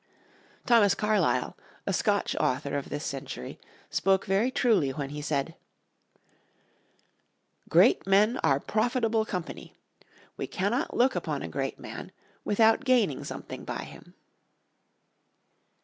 Thomas Carlyle, a Scotch author of this century, spoke very truly when he said: "Great men are profitable company; we cannot look upon a great man without gaining something by him."